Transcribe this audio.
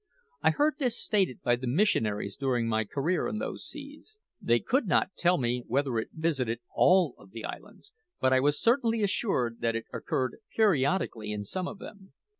I heard this stated by the missionaries during my career in those seas. They could not tell me whether it visited all of the islands, but I was certainly assured that it occurred periodically in some of them.